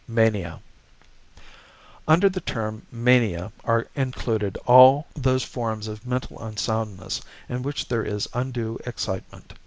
MANIA Under the term 'mania' are included all those forms of mental unsoundness in which there is undue excitement.